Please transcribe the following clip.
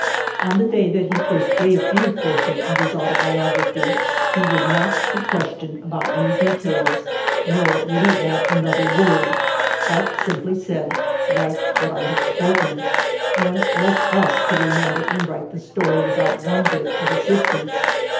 On the day that he first gave any portion of his autobiography he would not XX INTRODUCTORY be questioned about any details, nor would he add another word, but simply said, " Write what I have spoken," and left us to remember and write the story without one bit of assistance.